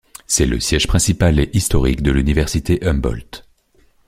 C'est le siège principal et historique de l'Université Humbolt.